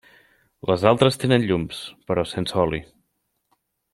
Les altres tenen llums, però sense oli.